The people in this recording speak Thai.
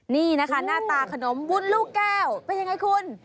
นี่นะคะหน้าตาขนมวุ้นลูกแก้วเป็นยังไงคุณ